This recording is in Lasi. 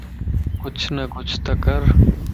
ڪچھه نه ڪچهه ته ڪر